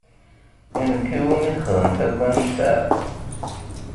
I nekk i wumi txedmem akk annect-a?